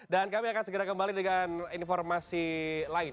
kami akan segera kembali dengan informasi lain